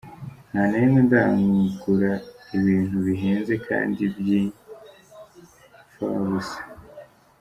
Nta na rimwe ndagura ibintu bihenze kandi by’imfabusa.